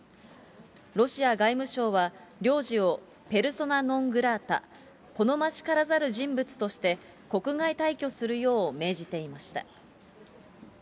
ロシア外務省は、領事を、ペルソナ・ノン・グラータ、好ましからざる人物として、国外退去するよう命じていました。